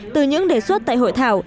từ những đề xuất tại hội thảo